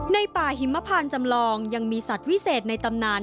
ในป่าหิมพานจำลองยังมีสัตว์วิเศษในตำนาน